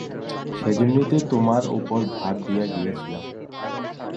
সেইজন্যই তো তোমার উপরে ভার দিয়া গিয়াছিলাম।